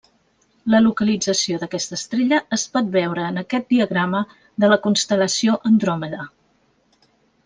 La localització d'aquesta estrella es pot veure en aquest diagrama de la constel·lació Andròmeda.